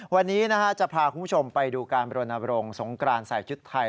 วันนี้จะพาคุณผู้ชมไปดูการบรณบรงค์สงกรานใส่ชุดไทย